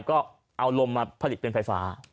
ก็เอาลมมาผลิตเป็นไฟฟ้า